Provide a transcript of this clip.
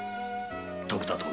徳田殿